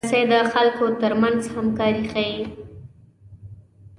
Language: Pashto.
رسۍ د خلکو ترمنځ همکاري ښيي.